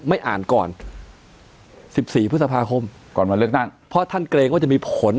ไม่อ่านก่อน๑๔ภคก่อนมาเลิกตั้งพอท่านเกรงว่าจะมีผลต่อ